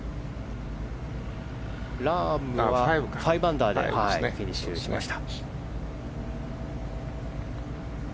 ラームは５アンダーでフィニッシュしました。